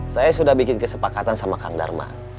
saya sudah bikin kesepakatan sama kang dharma